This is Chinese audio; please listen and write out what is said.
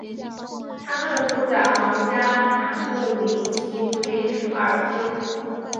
他们住在皇家坦布里奇韦尔斯。